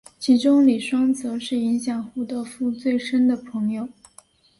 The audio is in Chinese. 其中李双泽是影响胡德夫最深的朋友。